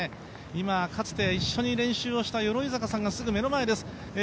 今、かつて一緒に練習した鎧坂さんがすぐ目の前です。